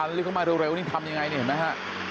ไม่ทันเรียกเข้ามาเร็วนี่ทำอย่างไรเนี่ยเห็นไหมฮะ